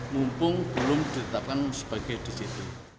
mumpung belum ditetapkan sebagai dct